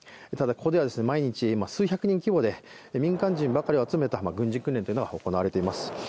ただ、ここでは数百人規模で、民間人を集めた軍事訓練というのが行われています。